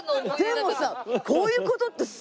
でもさ。